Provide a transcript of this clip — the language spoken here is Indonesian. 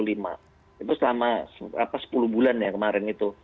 itu selama sepuluh bulan ya kemarin itu